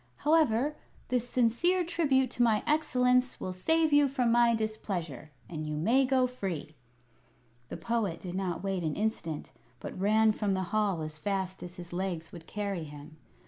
However, this sincere tribute to my excellence will save you from my displeasure, and you may go free." The Poet did not wait an instant, but ran from the hall as fast as his legs would carry him.